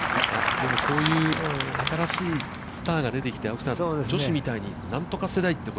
でも、こういう新しいスターが出てきて、青木さん、女子みたいに、何とか世代って。